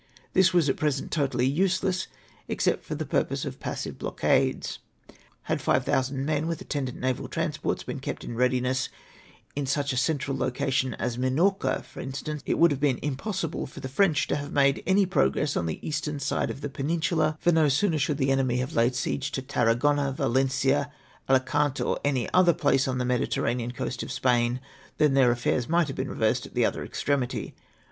This was at present totally rTseless, except for the purpose of passive blockades. Had 5000 men, with attendant naval transports, been kept in readiness in such a central situation as JMinorca, for instance, it would have been impossible for the French to have made any' progress on the eastern side of the Peninsula ; for no sooner should the enemy have laid siege to Tarragona, Va lencia, Alicant, or any other place on the Mediterranean coast of Spain, than their affairs miglit have been reversed at the other extremity.